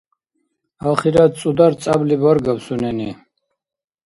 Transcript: Ахират цӀудар-цӀябли баргаб сунени!